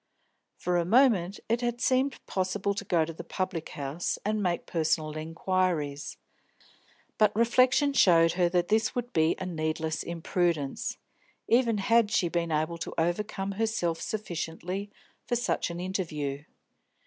For a moment it had seemed possible to go to the public house and make personal inquiries, but reflection showed her that this would be a needless imprudence, even had she been able to overcome herself sufficiently for such an interview.